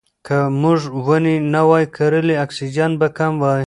که موږ ونې نه وای کرلې اکسیجن به کم وای.